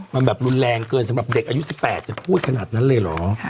มันแบบรุนแรงเกินสำหรับเด็กอายุ๑๘จะพูดขนาดนั้นเลยเหรอ